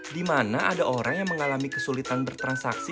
di mana ada orang yang mengalami kesulitan bertransaksi